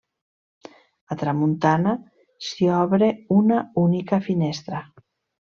A tramuntana s'hi obre una única finestra.